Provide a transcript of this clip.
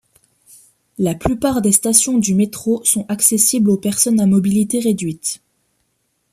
La plupart des stations du métro sont accessibles aux personnes à mobilité réduite.